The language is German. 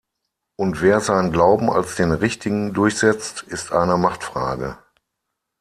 Und wer seinen Glauben als den 'richtigen' durchsetzt, ist eine Machtfrage.